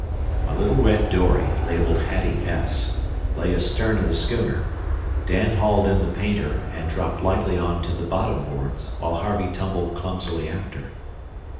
A little red dory, labelled Hattie S., lay astern of the schooner. Dan hauled in the painter, and dropped lightly on to the bottom boards, while Harvey tumbled clumsily after.